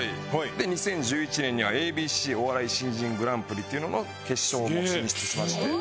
で２０１１年にはＡＢＣお笑い新人グランプリっていうのの決勝も進出しまして。